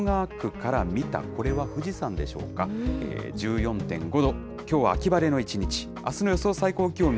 かわって、東京・江戸川区から見た、これは富士山でしょうか、１４．５度、きょうは秋晴れの一日、あすの予想